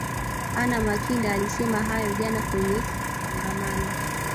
anna makinda alisema hayo jana kwenye kongamano